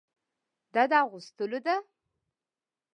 دا د اغوستلو ده.